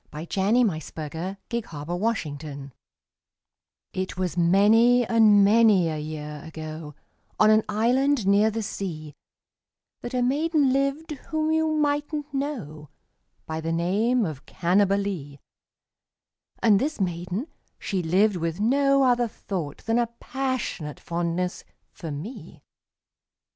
V^ Unknown, } 632 Parody A POE 'EM OF PASSION It was many and many a year ago, On an island near the sea, That a maiden lived whom you migbtnH know By the name of Cannibalee; And this maiden she lived with no other thought Than a passionate fondness for me.